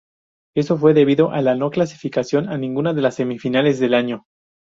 Eso fue debido a la no clasificación a ninguna de las semifinales del año.